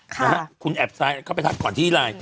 ค่ะคุณแอดไลน์เข้าไปทักก่อนที่ไลน์